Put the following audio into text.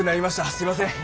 すいません。